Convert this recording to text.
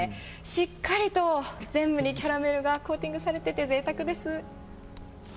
しっかりと全部にキャラメルがコーティングされてて贅沢です。